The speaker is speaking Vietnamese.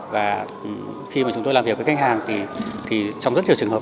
và khi mà chúng tôi làm việc với khách hàng thì trong rất nhiều trường hợp